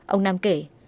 ông năm kể